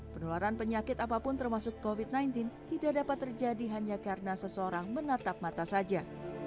penularan penyakit apapun termasuk covid sembilan belas tidak dapat terjadi hanya karena seseorang menatap mata saja